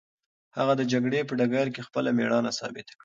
هغه د جګړې په ډګر کې خپله مېړانه ثابته کړه.